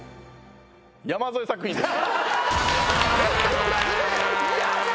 山添作品です。